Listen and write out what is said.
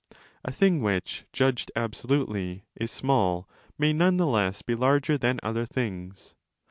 A thing which, judged absolutely, is small may none the 299° less be larger than other things.